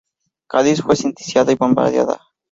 Cádiz fue sitiada y bombardeada.